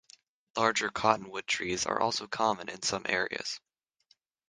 Larger cottonwood trees are also common in some areas.